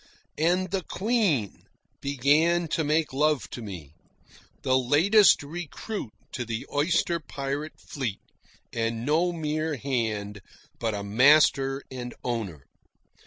And the Queen began to make love to me, the latest recruit to the oyster pirate fleet, and no mere hand, but a master and owner.